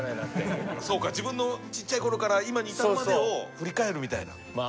そうか自分のちっちゃいころから今に至るまでを振り返るみたいな。